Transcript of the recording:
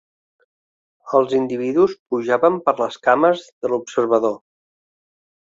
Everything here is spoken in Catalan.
Els individus pujaven per les cames de l'observador.